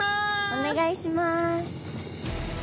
お願いします。